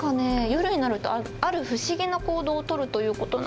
夜になるとある不思議な行動を取るということなんですけど。